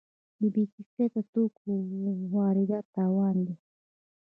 د بې کیفیت توکو واردات تاوان دی.